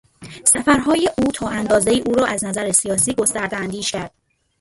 سفرهای او تا اندازهای او را از نظر سیاسی گسترده اندیش کرد.